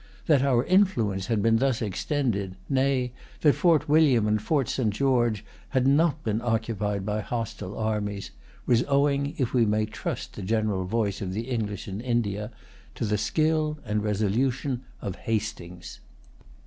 That our influence had been thus extended, nay, that Fort[Pg 196] William and Fort St. George had not been occupied by hostile armies, was owing, if we may trust the general voice of the English in India, to the skill and resolution of Hastings.